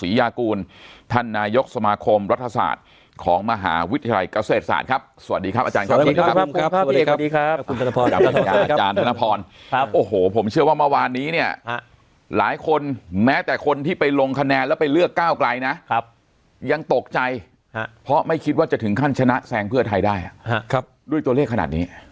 วันนี้เนี่ยหลายคนแม้แต่คนที่ไปลงคะแนนแล้วไปเลือกก้าวกายนะยังตกใจเพราะไม่คิดว่าจะถึงขั้นชนะแซงเพื่อไทยได้ด้วยตัวเลขขนาดนี้